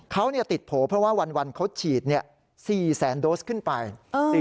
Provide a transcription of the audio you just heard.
เขาติดโผล่เพราะว่าวันเขาฉีด๔แสนโดสขึ้นไป